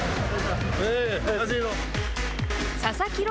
佐々木朗